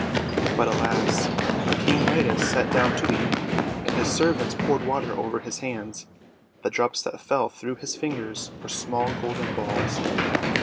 But, alas! when King Midas sat down to eat, and his servants poured water over his hands, the drops that fell through his fingers were small golden balls.